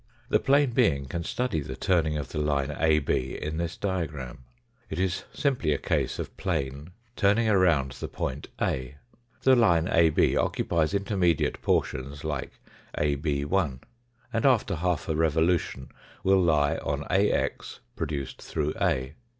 The plane being can study the turning of the line AB in this diagram. It is simply a case of plane turning around the point A. The line AB occupies intermediate portions like AB : and after half a revolution will lie on AX produced through A.